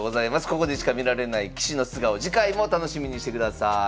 ここでしか見られない棋士の素顔次回もお楽しみにしてください。